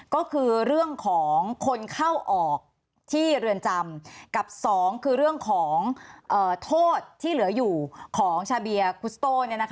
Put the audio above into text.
ก็คือเรื่องของคนเข้าออกที่เรือนจำกับสองคือเรื่องของโทษที่เหลืออยู่ของชาเบียคุสโต้